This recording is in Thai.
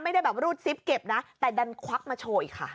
ไม่ได้แบบรูดซิปเก็บนะแต่ดันควักมาโชว์อีกค่ะ